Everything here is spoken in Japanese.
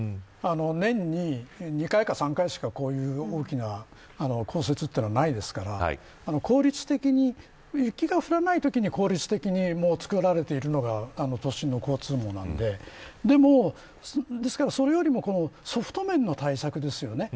年に２回か３回しかこういう大きな降雪はないですから雪が降らないときに効率的につくられているのが都心の交通網なのでですからそれよりもソフト面の対策ですよね。